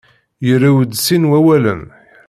Yurew-d sin n wawalen.